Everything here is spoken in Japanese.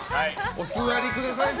お座りください。